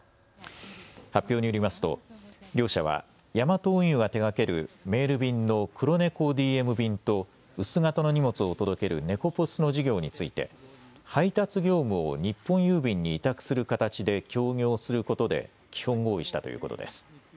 発表によりますと両社はヤマト運輸が手がけるメール便のクロネコＤＭ便と薄型の荷物を届けるネコポスの事業について配達業務を日本郵便に委託する形で協業することで基本合意したということです。